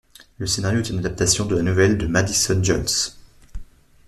Le scénario est une adaptation de la nouvelle ' de Madison Jones.